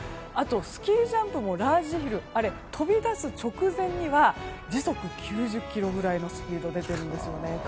あと、スキージャンプのラージヒルあれも飛び出す直前には時速９０キロぐらいのスピードが出ているんですね。